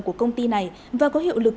của công ty này và có hiệu lực